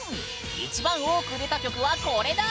一番多く出た曲は、これだ！